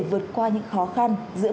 vượt qua những khó khăn giữa